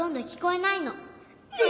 え！